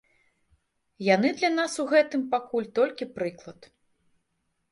Яны для нас у гэтым пакуль толькі прыклад.